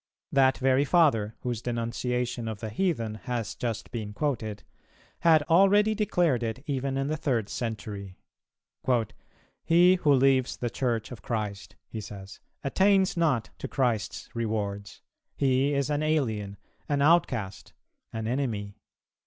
That very Father, whose denunciation of the heathen has just been quoted, had already declared it even in the third century. "He who leaves the Church of Christ," he says, "attains not to Christ's rewards. He is an alien, an outcast, an enemy.